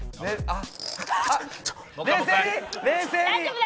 あっ！